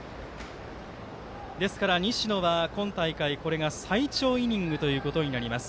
西野は今大会これが最長イニングということになります。